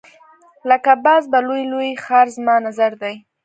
لکه باز په لوی لوی ښکار زما نظر دی.